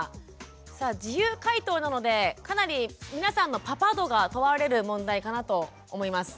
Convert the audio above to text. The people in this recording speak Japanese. さあ自由解答なのでかなり皆さんのパパ度が問われる問題かなと思います。